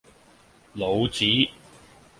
老子